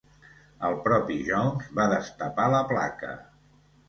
El propi Jones va destapar la placa.